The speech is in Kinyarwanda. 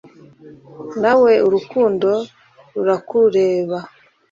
nawe urukundo rurakureba.